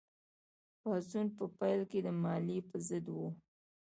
پاڅون په پیل کې د مالیې په ضد و.